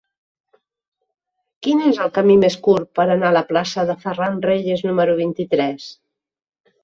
Quin és el camí més curt per anar a la plaça de Ferran Reyes número vint-i-tres?